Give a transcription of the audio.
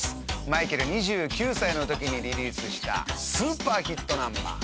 マイケル２９歳の時にリリースしたスーパーヒットナンバー。